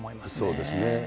そうですね。